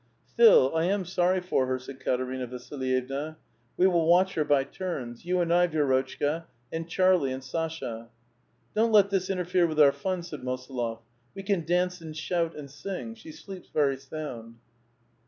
"Still, 1 am sorry for her," said Katerina Vasllyevna. *' We will watch her by turns : you and I, Vi^rotchka, and Charlie and Sasha." " Don't let this interfere with our fun," said Mosolof. 'MVe can dance, and shout, and sing; she sleeps very sound."